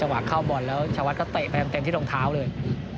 วันเข้าบอลแล้วชาวัฒน์ก็เตะเป็นที่ต่างเลย